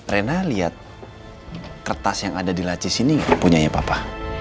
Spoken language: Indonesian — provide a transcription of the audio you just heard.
rena liat kertas yang ada di laci sini gak punyanya papa